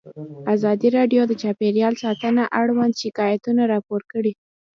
ازادي راډیو د چاپیریال ساتنه اړوند شکایتونه راپور کړي.